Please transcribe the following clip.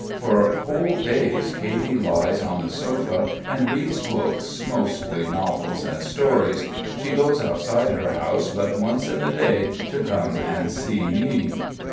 For whole days Katy lies on the sofa and reads books, mostly novels and stories. She goes outside her house but once in the day, to come and see me.